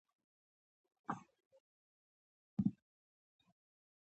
اوبه ستاسو د صحت لپاره ګټوري دي